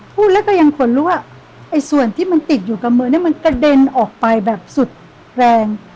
พูดแล้วก็ยังขนรู้ว่าไอ้ส่วนที่มันติดอยู่กับมือเนี่ยมันกระเด็นออกไปแบบสุดแรง